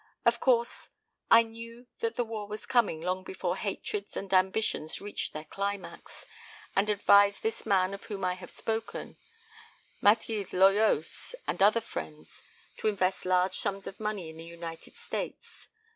Of course, I knew that the war was coming long before hatreds and ambitions reached their climax, and advised this man of whom I have spoken, Mathilde Loyos, and other friends, to invest large sums of money in the United States.